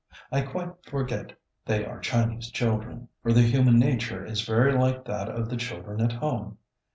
I quite forget they are Chinese children, for their human nature is very like that of the children at home.